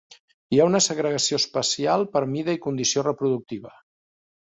Hi ha una segregació espacial per mida i condició reproductiva.